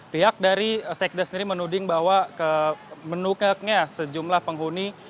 pihak dari sekda sendiri menuding bahwa menueknya sejumlah penghuni